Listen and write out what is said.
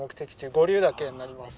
五竜岳になります。